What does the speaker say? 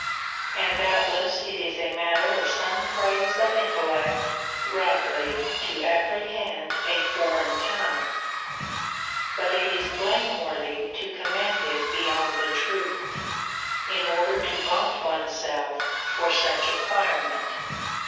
And doubtless it is a matter of some praise of intellect rightly to apprehend a foreign tongue ; but it is blameworthy to commend it beyond the truth, in order to vaunt oneself for such [no] ac quirement.